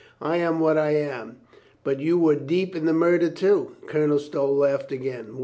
I am what I am. But you were deep in the murder, too." Colonel Stow laughed again.